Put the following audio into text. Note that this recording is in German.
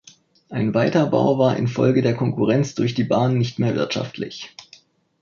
Ein Weiterbau war infolge der Konkurrenz durch die Bahn nicht mehr wirtschaftlich.